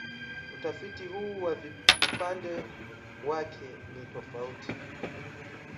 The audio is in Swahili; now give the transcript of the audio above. Utafiti huu kwa upande wake ni tofauti